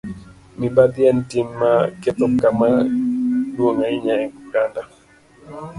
Mibadhi en tim ma ketho kama duong' ahinya e oganda..